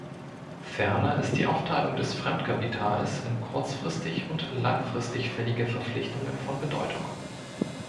Ferner ist die Aufteilung des Fremdkapitals in kurzfristig und langfristig fällige Verpflichtungen von Bedeutung.